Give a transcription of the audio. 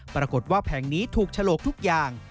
ปรากฏว่าแผงนี้ถูกฉลกทุกอย่าง